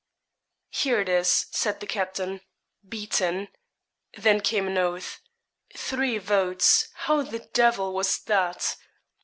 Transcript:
'Here it is,' said the captain. 'Beaten' then came an oath 'three votes how the devil was that?